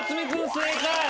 正解。